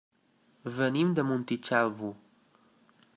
Venim de Montitxelvo.